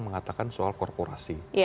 mengatakan soal korporasi